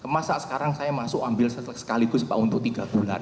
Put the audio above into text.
masa sekarang saya masuk ambil sekaligus pak untuk tiga bulan